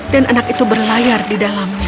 dan anak itu berlayar di dalamnya